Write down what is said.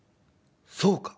そうか！